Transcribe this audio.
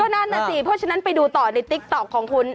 นั่นน่ะสิเพราะฉะนั้นไปดูต่อในติ๊กต๊อกของคุณ